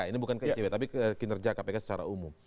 ini bukan ke icw tapi kinerja kpk secara umum